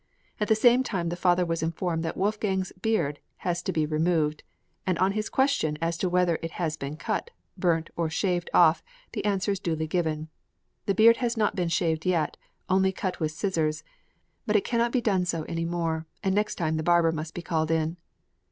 At the same time the father is informed that Wolfgang's beard has to be removed; and on his question as to whether it has been cut, burnt, or shaved off, the answer is duly given: "The beard has not been shaved yet, only cut with scissors; but it cannot be done so any more, and next time the barber must be called in."